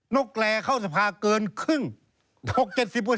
กแร่เข้าสภาเกินครึ่ง